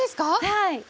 はい。